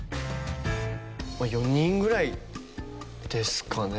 ４人ぐらいですかね。